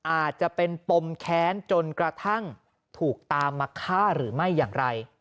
อาจจะเป็นปมแค้นจนกระทั่งถูกตามมาฆ่าหรือไม่อย่างไร